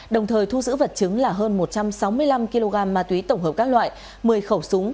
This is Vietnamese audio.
đồng thời thu giữ vật chứng là hơn một trăm sáu mươi năm kg ma túy tổng hợp các loại một mươi khẩu súng